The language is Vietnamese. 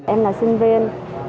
em là sinh viên